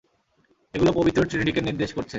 এগুলো পবিত্র ট্রিনিটিকে নির্দেশ করছে!